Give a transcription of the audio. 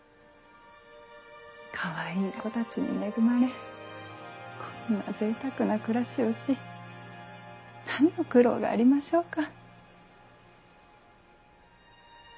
かわいい子たちに恵まれこんなぜいたくな暮らしをし何の苦労がありましょうか。